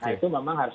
itu memang harus